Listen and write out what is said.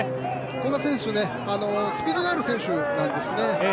古賀選手、スピードのある選手なんですね。